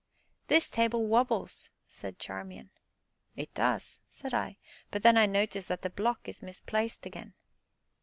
"This table wobbles!" said Charmian. "It does," said I, "but then I notice that the block is misplaced again."